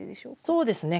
そうですね。